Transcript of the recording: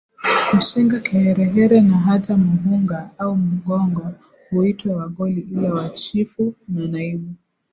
Mshenga Kiherehere na hata Muhunga au Mghongo huitwa Wagoli ila wa Chifu na Naibu